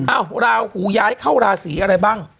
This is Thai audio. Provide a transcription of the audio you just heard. ราหูย้ายเข้าราศีอะไรบ้าง